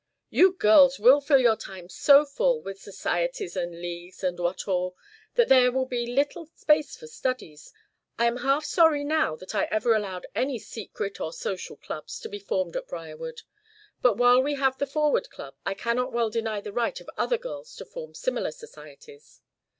"You girls will fill your time so full, with societies and leagues, and what all, that there will be little space for studies. I am half sorry now that I ever allowed any secret, or social clubs, to be formed at Briarwood. But while we have the Forward Club, I cannot well deny the right of other girls to form similar societies.